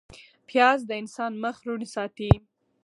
پیاز د انسان مخ روڼ ساتي